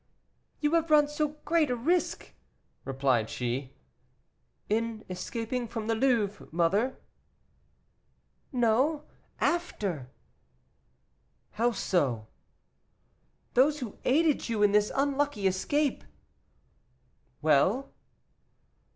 "You have run so great a risk," replied she. "In escaping from the Louvre, mother?" "No, after." "How so?" "Those who aided you in this unlucky escape " "Well?"